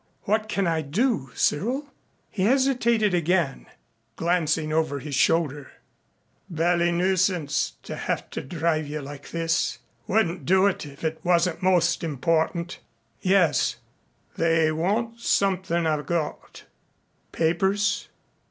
What can I do, Cyril?" He hesitated again, glancing over his shoulder. "Bally nuisance to have to drive you like this. Wouldn't do it if it wasn't most important " "Yes " "They want something I've got " "Papers?"